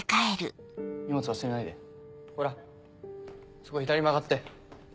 荷物忘れないでほらそこ左曲がって。